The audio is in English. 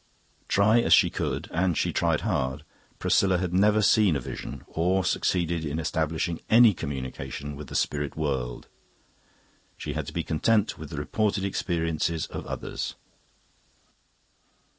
Try as she could and she tried hard Priscilla had never seen a vision or succeeded in establishing any communication with the Spirit World. She had to be content with the reported experiences of others.